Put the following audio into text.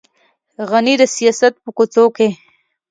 غني د سیاست په کوڅو کې.